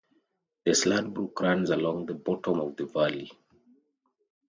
The Slad Brook runs along the bottom of the valley.